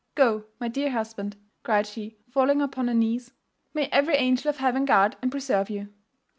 Go, my dear husband,' cried she, falling upon her knees: 'may every angel of heaven guard and preserve you!